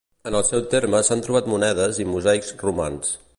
En el seu terme s'han trobat monedes i mosaics romans.